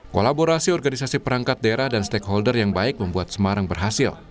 kolaborasi organisasi perangkat daerah dan stakeholder yang baik membuat semarang berhasil